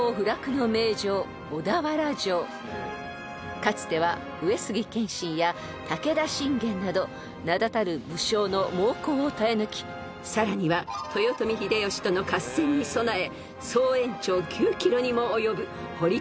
［かつては上杉謙信や武田信玄など名だたる武将の猛攻を耐え抜きさらには豊臣秀吉との合戦に備え］